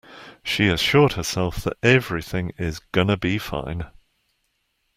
She assured herself that everything is gonna be fine.